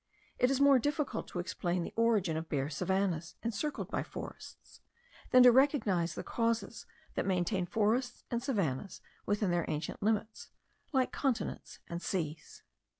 It is more difficult to explain the origin of bare savannahs, encircled by forests, than to recognize the causes that maintain forests and savannahs within their ancient limits, like continents and seas.